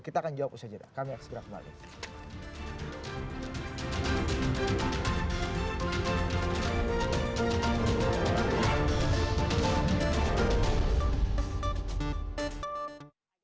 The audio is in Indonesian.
kita akan jawab saja kami akan segera kembali